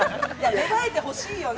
芽生えてほしいよね。